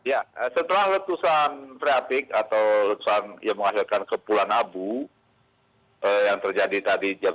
ya setelah letusan freatik atau letusan yang menghasilkan kepulan abu yang terjadi tadi jam tujuh belas dua puluh